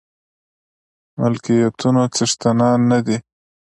ملکيتونو څښتنان نه دي.